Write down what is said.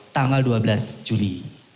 tanggal dua belas juli